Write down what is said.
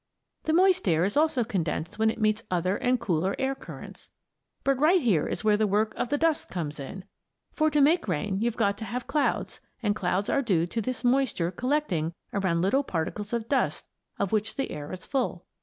The moist air is also condensed when it meets other and cooler air currents. But right here is where the work of the dust comes in. For to make rain you've got to have clouds, and clouds are due to this moisture collecting around the little particles of dust of which the air is full.